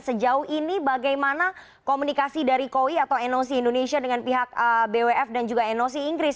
sejauh ini bagaimana komunikasi dari koi atau noc indonesia dengan pihak bwf dan juga noc inggris